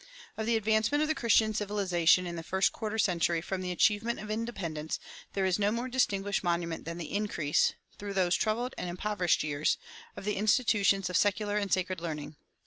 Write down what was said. Of the advancement of Christian civilization in the first quarter century from the achievement of independence there is no more distinguished monument than the increase, through those troubled and impoverished years, of the institutions of secular and sacred learning.